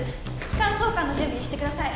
気管挿管の準備してください。